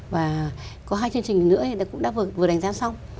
và có hai chương trình nữa thì cũng đã vừa đánh giá xong